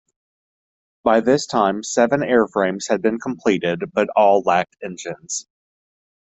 By this time seven airframes had been completed, but all lacked engines.